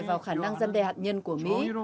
vào khả năng dân đe hạt nhân của mỹ